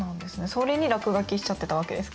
それに落書きしちゃってたわけですか？